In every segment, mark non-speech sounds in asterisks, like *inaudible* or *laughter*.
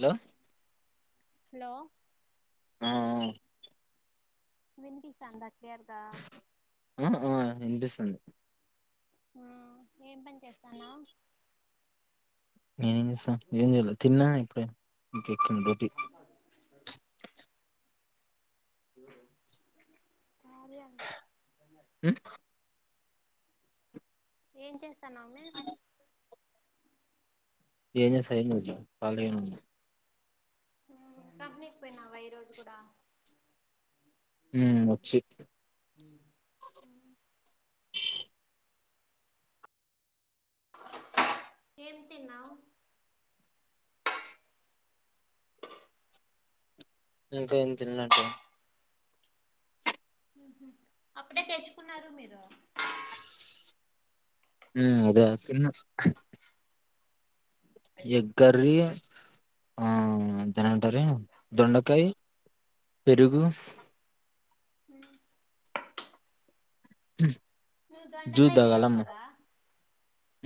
Hello hello హమ్ వినిపిస్తాంద ఏతా తంది ఆహ్ ఏం పని చేస్తన్నావ్ నేనేం చేస్తా ఏం చెయ్యలేద్ తిన్న ఇపుడే *inaudible* *unintelligible* హమ్ ఏం చేస్తన్నావు మే ఏం చేస్తా ఏం చేయాలా కలిగనే ఉన్న హమ్ పంపికిపోయినావా ఈ రోజు కూడా హమ్ వచి ఏం తిన్నావ్ ఇంకా ఏం తినలే టైమ్ అప్పుడే తెచ్చుకున్నారు మీరు హమ్ అదే తిన్న ఎగ్ కర్రీ ఆహ్ దాన్ని ఏమంటారు దొండకాయి పెరుగు హమ్ హ నువ్వు దండ కాైతే నవు కదా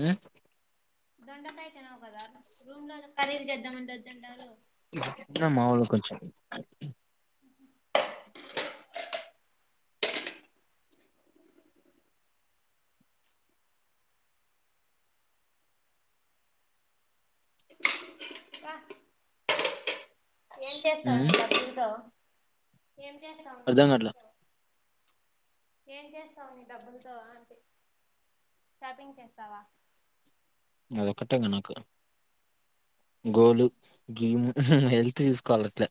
ఆ దొండల అయితేనావు కదారు రూమ్ లో కరీలి చేద్దామండ దొండారు ఇమాళ కొంచంచం ఆ ఎంత చేస్తావను ఉమ్ ఇలాల్ద ఏం చేస్తావు న అర్ధం కాట్లే డబ్బుతో ఏం చేస్తావు నీ డబ్బులతో అంటే షాపింగ్ చేస్తావా అదొక్కటేగా నాకు గోలు గీము హెల్త్ తీసుకోవాలి అట్లే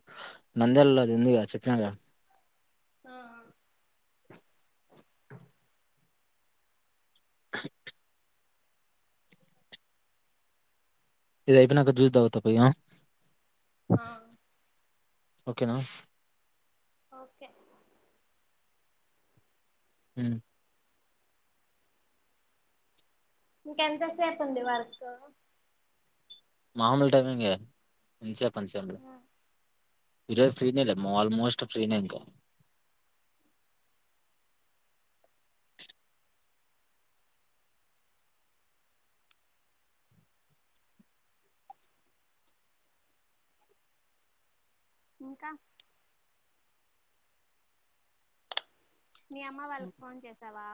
నంద్యలలో అది ఎందు క చెప్పినాక ఆ ఇదియిపోనాక చూసావు తప్ప్యా ఆ ఓకేనా ఓకే హ ఇంకెంతసేపు ఉంది వర్క్ మామలు టైమింగ్ ఇ పనించాల ఇరో ఫ్రీనిల ఆఓల్మోస్ట్ ఫ్రీన్ ఎెంగ ఇంకా మీీ అమ్మ వాళ్ళకి ఫోన్ చేసావా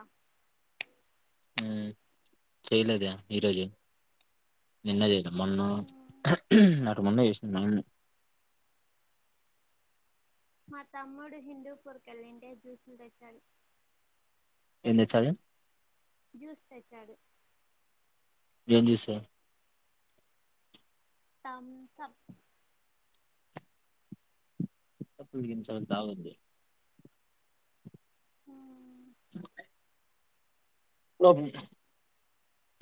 చేయలేద ఈరోజు నిన్న చే మమ మ్మ్. మన్న వేసన్నాను మా తమ్మడు హిందుూ పొర్కల్ిే జూస్లు తెచ్చారు ఎన్ని చాల జ్యూస్ తెచ్చాడు దిశ తం త తప్పుకి సంతవద్ే హ స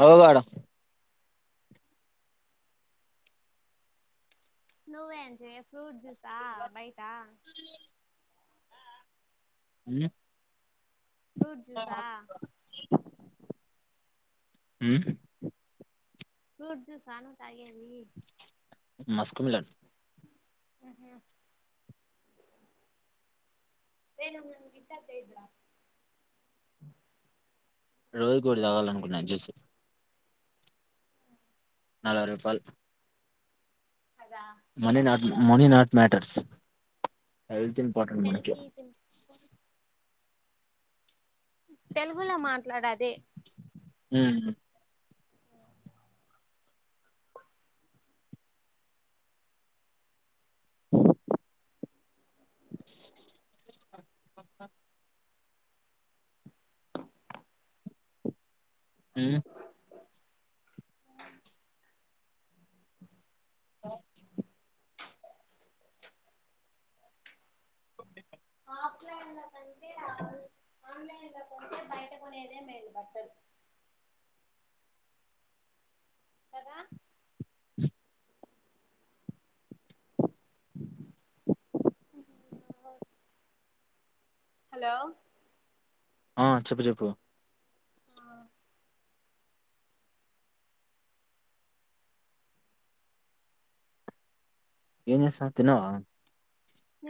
అ వాడ ను ఏం చె ఫ్రూట్ జూస్ ఆా బైటా అ ఫ్రూట్ జూసా అ ఫూడ్ సను తాగే ద్ మస్కుమిలాన్ రేయ్ నువ్వు గిట్ల చేయద్దురా రోజు ఒకటి తాగాలనుకున్నా అది చూసి నలవై రుపాల్ కదా అన్నీ నాతోనే money not matters health important మనకి హెల్తీ తెలుగులో మాట్లాడాదే ఊ ఉ ఆ ఆ ఆఫలైన్ లో కంటే ఆన్లైన్ లో కొనీదే బయట కొనేదే మేలు బట్టలు కదా అ హలో ఆ చెప్పు చెప్పు ఆ ఏం చేస్తన్నావ్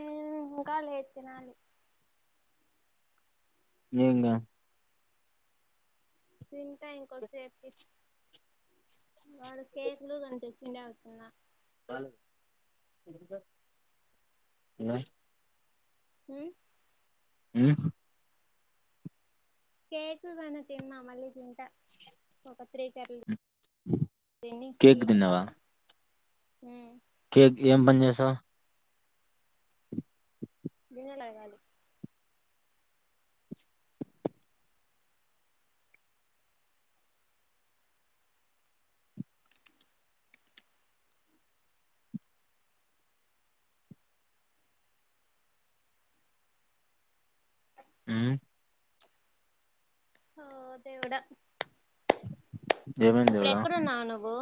ఇం ఇంకా లేదు తినాలి ఏంగా తింట ఇంకోసేపుకీ వాడు కేకులు కొంచం తెచ్చిందా అవి ఆ ఇంగా హ్మ్ హు కేకుగాను తిన్నా మళ్ళీ తింట పత్రికల్ తిని కేక్ పంట తిన్నావా హు కేక్ ఏం పని చేసావ్ నేనేలాగాలి ఉ ఆ దేవుడా ఏమైంది ఇప్పుడు దేవుడా ఎక్కడ ఉన్నావు నువ్వు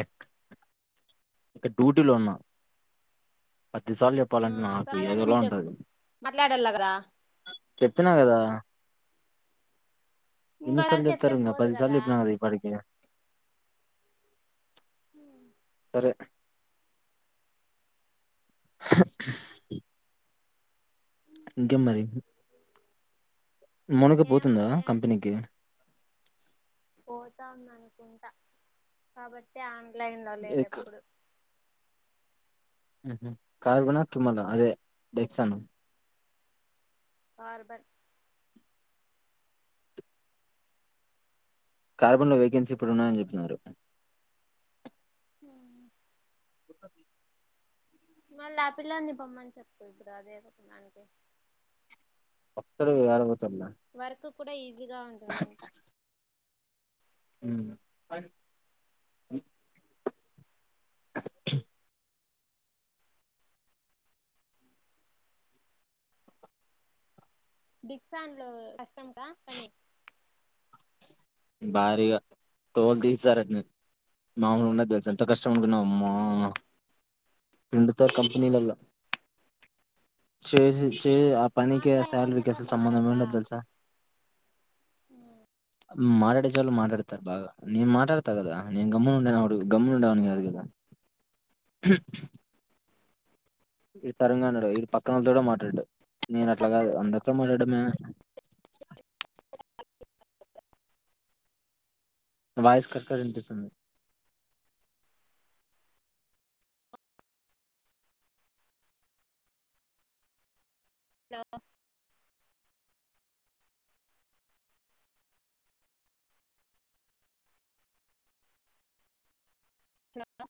ఇ క్ డ్యూటీలో ఉన్నా పదిసార్లు చెప్పాలంటే నాకు ఏదోలా ఉంటది అళ్లగదా చెప్పినా కదా ఇన్ని సార్లు ఇంకోసారి చెప్తే చెప్ఫతారు పోదు పదిసార్లు చెప్పిన కదా ఈ పాటికి హ సరే ఇంకే మరి మౌనిక పోతుందా ఇంకేముంది కంపెనీకి పోత ఉంది అనుకుంటా కాబట్టి ఆ లైన్ లో లేదు ఎక్- ఎప్పుడు ఉహ్ కార్గునా తిమల అదే బెక్సానం బోర్బోన్ కార్బన్లో వేకెన్సీ ఇప్పుడు ఉన్నాయని చెప్పినారు హమ్ మళ్ళీ ఆ పిల్లాడిని పోమని చెపు ఇప్పుడు ఏదో దానికి బాతులు *unintelligible* వర్క్ కూడా ఈ జిగ ఉంటుందంట ఉహ్ అ దీక్షన్లో కష్ట *unintelligible* పనీ భారీగా తోల్ తీసారండి మాముూలుగా ఉన్నడు తెలుస ఎంత కష్టం చనుగున అమ్మా పిండుతారు కంపెనీలలా *unintelligible* చే ఆ పనికి ఆ మాట్లాడే సాలరీకి వాళ్ళంతా అసలు బా సంబంధం ఎ మాట్లాడతా ఉండదు తెలుసా మాట్లాడితే చాలు మాట్లాడతారు బాగా నేను మాట్లాడతా కదా. నేను గమ్మున ఉండానుడు గమ్మున ఉండడావని కాదు కదా. ఈడు తెలంగాణ ఓడు ఇ పక్కనళతోనే కూడా మాట్లాడడు నేను అట్లా కాదు అందరితో మాలాడమే మీ వాయిస్ కాస్త వినిపిస్తుంది. Hello hello